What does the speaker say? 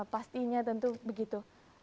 pastinya tentu begitu